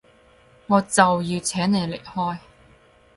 我就要請你離開